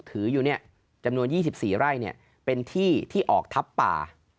ถืออยู่จำนวน๒๔ไร่เป็นที่ที่ออกทับป่า